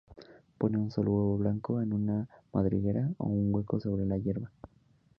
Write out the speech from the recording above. Pone un solo huevo blanco en una madriguera o un hueco sobre la hierba.